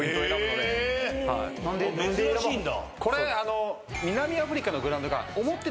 珍しいんだ。